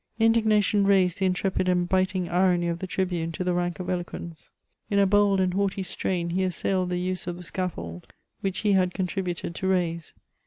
Indignation raised the iutrepid and biting irony of the tribune to l£e rank of eloquence ; in a bold and haughty strain he assailed the use of the scaffold, which he had contributed to raise.